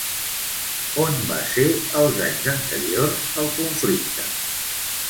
On va ser els anys anteriors al conflicte?